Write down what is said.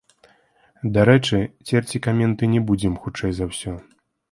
Дарэчы, церці каменты не будзем хутчэй за ўсё.